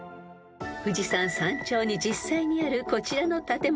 ［富士山山頂に実際にあるこちらの建物］